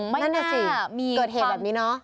ไม่น่ามีความเกิดเหตุแบบนี้เนอะ